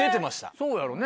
そうやろうね